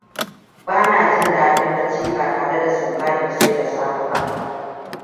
Bana jin daɗin bacci ba tare da sumabatar sai da safe ba.